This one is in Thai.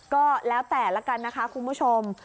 ก็แล้วแต่ละกันนะคะคุณผู้ชม